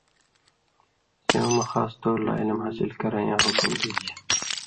سېوں مہ خاص طور لا علم حاصل کرَیں یاں حُکم دیچھی۔